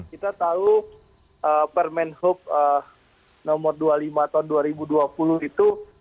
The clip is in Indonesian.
kita tahu permen hub nomor dua puluh lima tahun dua ribu dua puluh itu